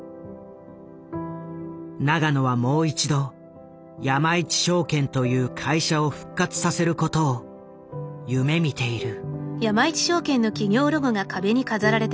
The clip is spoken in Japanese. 永野はもう一度山一証券という会社を復活させることを夢みている。